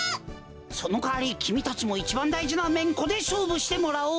そのかわりきみたちもいちばんだいじなめんこでしょうぶしてもらおう！